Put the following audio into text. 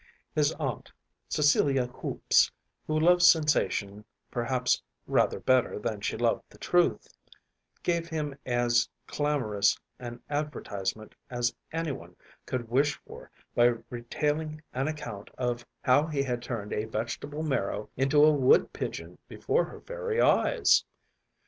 His aunt, Cecilia Hoops, who loved sensation perhaps rather better than she loved the truth, gave him as clamorous an advertisement as anyone could wish for by retailing an account of how he had turned a vegetable marrow into a wood pigeon before her very eyes.